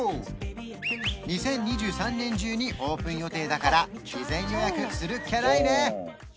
２０２３年中にオープン予定だから事前予約するっきゃないね！